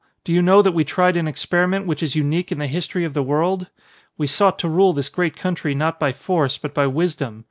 Do you know that we tried an experiment which is unique in the history of the world? We sought to rule this great country not by force, but by wisdom.